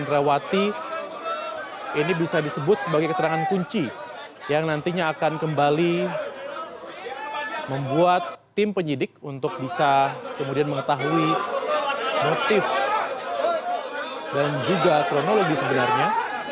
herawati ini bisa disebut sebagai keterangan kunci yang nantinya akan kembali membuat tim penyidik untuk bisa kemudian mengetahui motif dan juga kronologi sebenarnya